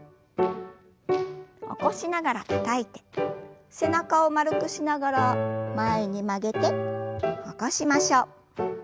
起こしながらたたいて背中を丸くしながら前に曲げて起こしましょう。